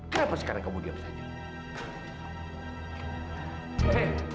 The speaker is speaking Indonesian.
kenapa sekarang kamu diam saja